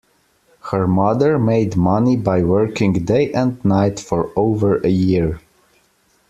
Her mother made money by working day and night for over a year